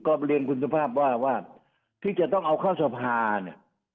ก็เรียนคุณสุภาพว่าว่าที่จะต้องเอาเข้าสภาเนี่ย